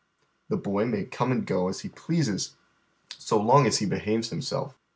The boy may come and go as he ^ long as lie behaves himself.